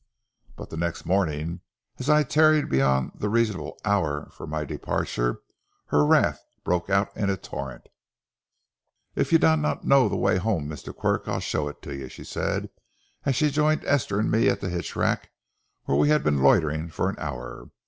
But the next morning as I tarried beyond the reasonable hour for my departure, her wrath broke out in a torrent. "If ye dinna ken the way hame, Mr. Quirk, I'll show it ye," she said as she joined Esther and me at the hitch rack, where we had been loitering for an hour.